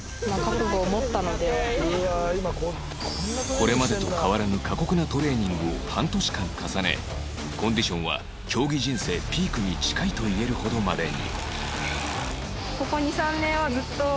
これまでと変わらぬ過酷なトレーニングを半年間重ねコンディションは競技人生ピークに近いと言えるほどまでに